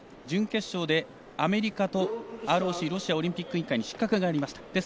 準決勝でアメリカとＲＯＣ＝ロシアオリンピック委員会に失格がありました。